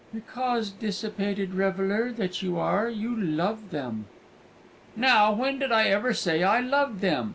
"Because, dissipated reveller that you are, you love them." "Now, when did I ever say I loved them?